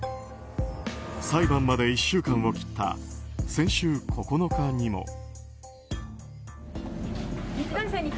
裁判まで１週間を切った先週９日にも。